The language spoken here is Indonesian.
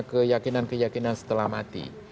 keyakinan keyakinan setelah mati